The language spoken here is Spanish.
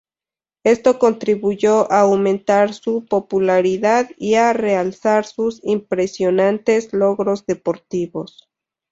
Esto contribuyó a aumentar su popularidad y a realzar sus impresionantes logros deportivos.